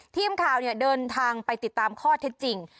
ทีมข่าวเดินทางไปติดตามข้อเท็จจริง